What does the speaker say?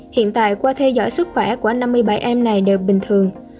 hiện tại qua theo dõi sức khỏe của năm mươi bảy em này đều bình thường